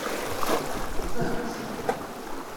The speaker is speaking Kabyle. Tufam-tt?